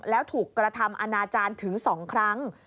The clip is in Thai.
แล้วถูกกระทำอนาจารย์ถึง๒ครั้ง